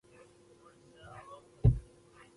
جګړه ویر جوړوي